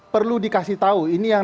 perlu dikasih tahu ini yang